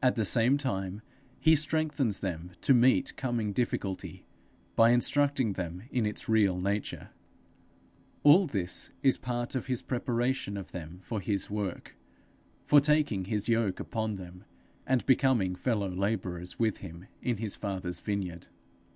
At the same time he strengthens them to meet coming difficulty, by instructing them in its real nature. All this is part of his preparation of them for his work, for taking his yoke upon them, and becoming fellow labourers with him in his father's vineyard.